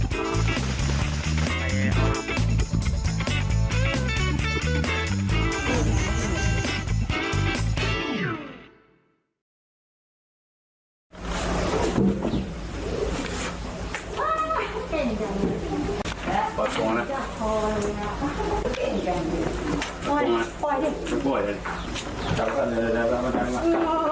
พอสงฆะพอดีปล่อยดิปล่อยดิ